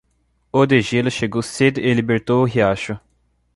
O degelo chegou cedo e libertou o riacho.